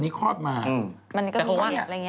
แต่ก็แค่แปลกว่าตั้งวัวตัวนี้ครอบมา